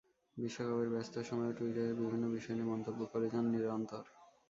বিশ্বকাপের ব্যস্ত সময়েও টুইটারে বিভিন্ন বিষয় নিয়ে মন্তব্য করে যান নিরন্তর।